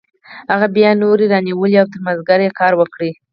هغه بیا نورې رانیولې او تر مازدیګره یې کار وکړ